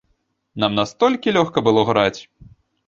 Нам настолькі лёгка было граць.